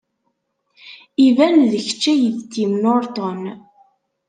Iban d kecc ay d Tim Norton.